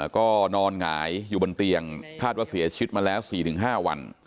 ก็นอนหงายอยู่บนเตียงคาดว่าเสียชีวิตมาแล้ว๔๕วัน